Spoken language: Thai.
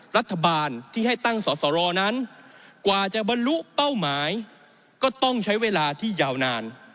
รัฐบาลที่ให้ตั้งสอสรนั้นกว่าจะบรรลุเป้าหมายก็ต้องใช้เวลาที่ยาวนาน